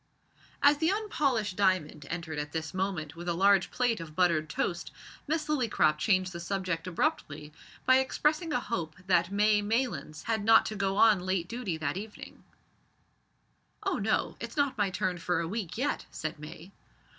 As the unpolished diamond entered at this moment with a large plate of buttered toast, Miss Lillycrop changed the subject abruptly by expressing a hope that May Maylands had not to go on late duty that evening. "Oh, no; it's not my turn for a week yet," said May.